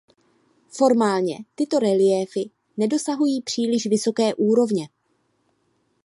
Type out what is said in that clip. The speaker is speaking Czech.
Formálně tyto reliéfy nedosahují příliš vysoké úrovně.